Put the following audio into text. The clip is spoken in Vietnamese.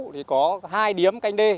thì có hai điếm canh đê